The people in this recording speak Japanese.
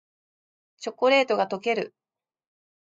チョコレートがとける